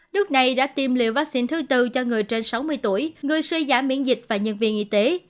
đức này đã tiêm liệu vaccine thứ tư cho người trên sáu mươi tuổi người suy giả miễn dịch và nhân viên y tế